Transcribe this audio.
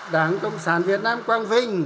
đảng cộng sản việt nam quang vinh